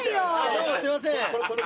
どうもすいません。